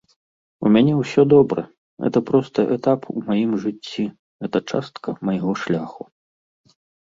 У мяне ўсё добра, гэта проста этап у маім жыцці, гэта частка майго шляху.